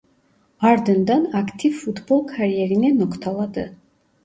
Ardından aktif futbol kariyerine noktaladı.